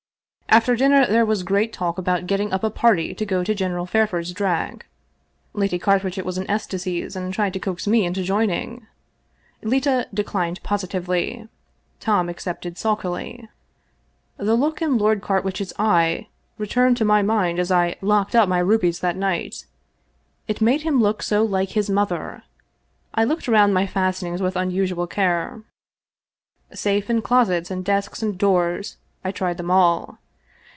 After dinner there was great talk about get ting up a party to go on General Fairford's drag. Lady Carwitchet was in ecstasies and tried to coax me into join ing. Leta declined positively. Tom accepted sulkily. The look in Lord Carwitchet's eye returned to my mind as I locked up my rubies that night. It made him look so like his mother ! I went round my fastenings with unusual care. Safe and closets and desk and doors, I tried them all.